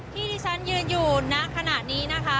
ที่ที่ฉันยืนอยู่ณขณะนี้นะคะ